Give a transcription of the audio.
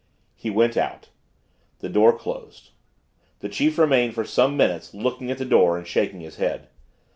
He went out. The door closed. The chief remained for some minutes looking at the door and shaking his head.